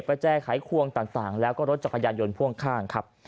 แจไขควงต่างแล้วก็รถจักรยานยนต์พ่วงข้างครับ